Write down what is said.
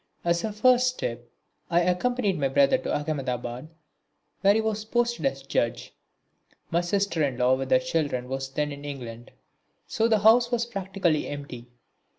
As a first step I accompanied my brother to Ahmedabad where he was posted as judge. My sister in law with her children was then in England, so the house was practically empty.